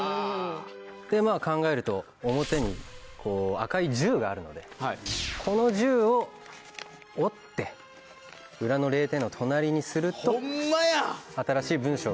で、まあ、考えると表に赤い１０があるのでこの１０を折って裏の０点の隣にするとおもしれえ！